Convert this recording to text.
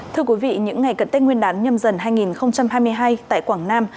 thưa quý vị những ngày cận tích nguyên đán nhầm dần hai nghìn hai mươi hai tại quảng nam